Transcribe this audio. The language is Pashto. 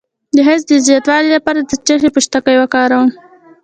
د حیض د زیاتوالي لپاره د څه شي پوستکی وکاروم؟